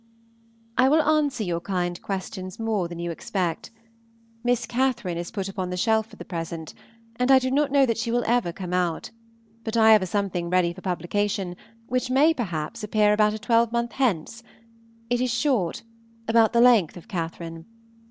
I will answer your kind questions more than you expect. "Miss Catherine" is put upon the shelf for the present, and I do not know that she will ever come out; but I have a something ready for publication, which may, perhaps, appear about a twelvemonth hence. It is short, about the length of "Catherine."